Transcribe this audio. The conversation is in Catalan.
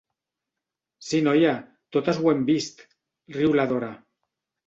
Sí noia, totes ho hem vist —riu la Dora.